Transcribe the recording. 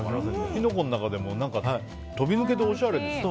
キノコの中でも飛び抜けておしゃれですよね。